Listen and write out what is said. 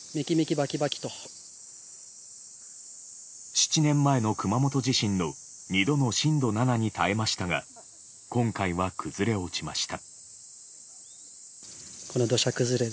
７年前の熊本地震の２度の震度７に耐えましたが今回は崩れ落ちました。